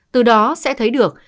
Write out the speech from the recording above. từ đó sẽ thấy được